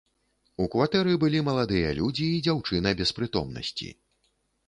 У кватэры былі маладыя людзі і дзяўчына без прытомнасці.